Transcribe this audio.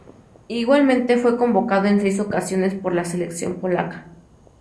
Igualmente fue convocado en seis ocasiones por la selección polaca.